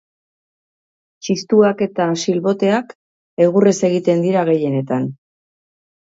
Txistuak eta silboteak egurrez egiten dira gehienetan.